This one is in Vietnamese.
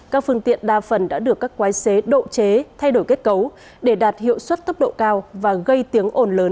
các phương tiện đa phần đã được các quái xế độ chế thay đổi kết cấu để đạt hiệu suất tốc độ cao và gây tiếng ồn lớn